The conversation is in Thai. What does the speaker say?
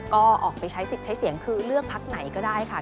ก็ออกไปใช้สิทธิ์ใช้เสียงคือเลือกพักไหนก็ได้ค่ะ